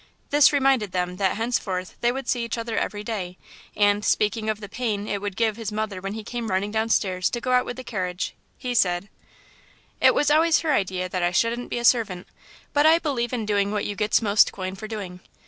This reminded them that henceforth they would see each other every day, and, speaking of the pain it would give his mother when he came running downstairs to go out with the carriage, he said "It was always her idea that I shouldn't be a servant, but I believe in doing what you gets most coin for doing.